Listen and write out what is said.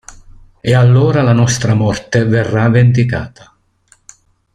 E allora la nostra morte verrà vendicata.